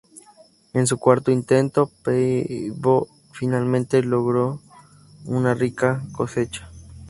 En su cuarto intento, Paavo finalmente logra una rica cosecha.